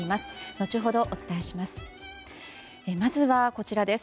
後ほど、お伝えします。